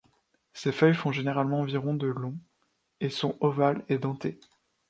Ses feuilles font généralement environ de long et sont ovales et dentées.